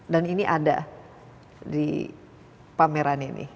dan ini ada di pameran ini